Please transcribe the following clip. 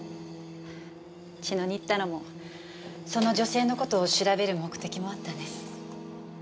茅野に行ったのもその女性の事を調べる目的もあったんです。